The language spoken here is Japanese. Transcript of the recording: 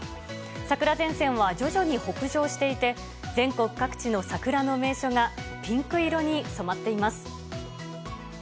桜前線は徐々に北上していて、全国各地の桜の名所が、ピンク色に染まっています。